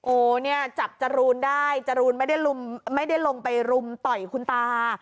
โอ้เนี่ยจับจรูนได้จรูนไม่ได้ลงไปรุมต่อยคุณตา